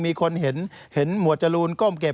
มีคนเห็นหมวดจรูนก้มเก็บ